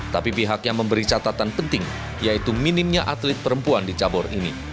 tapi pihaknya memberi catatan penting yaitu minimnya atlet perempuan di cabur ini